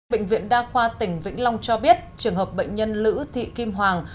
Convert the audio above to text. bệnh viện đa khoa tỉnh vĩnh long cho biết trường hợp bệnh nhân lữ thị kim hoàng